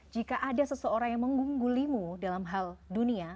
jika ada seseorang yang menggunggulimu dalam hal dunia